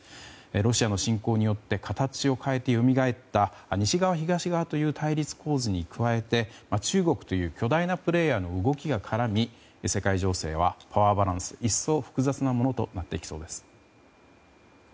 ロシアの侵攻によって形を変えてよみがえった西側、東側という対立構図に加えて中国という巨大なプレーヤーの動きが絡み合い世界情勢はパワーバランス一層複雑なものとなっていきそうです。